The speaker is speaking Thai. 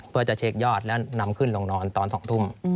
เพื่อจะเช็คยอดและนำขึ้นลงนอนตอน๒ทุ่ม